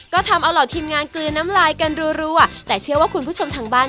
ก็ทำเอาเหล่าทีมงานเกลือน้ำลายกันรัวแต่เชื่อว่าคุณผู้ชมทางบ้าน